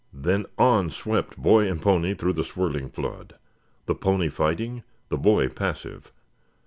Then on swept boy and pony through the swirling flood, the pony fighting, the boy passive.